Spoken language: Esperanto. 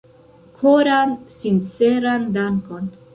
Koran sinceran dankon!